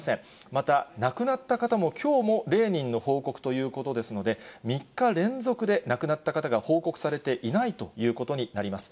また亡くなった方も、きょうも０人の報告ということですので、３日連続で亡くなった方が報告されていないということになります。